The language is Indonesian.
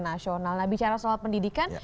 nasional nah bicara soal pendidikan